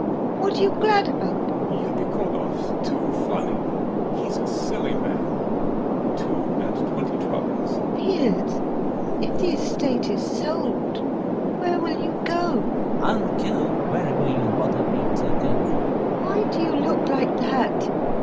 What are you glad about? YASHA. Epikhodov's too funny. He's a silly man. Two and twenty troubles. LUBOV. Fiers, if the estate is sold, where will you go? FIERS. I'll go wherever you order me to go. LUBOV. Why do you look like that?